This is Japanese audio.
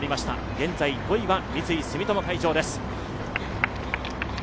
現在、５位は三井住友海上です。